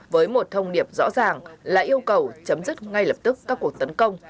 với một thông điệp rõ ràng là yêu cầu chấm dứt ngay lập tức các cuộc tấn công